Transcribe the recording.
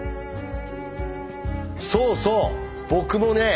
そうそう僕もね